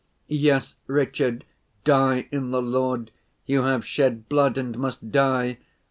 'Yes, Richard, die in the Lord; you have shed blood and must die.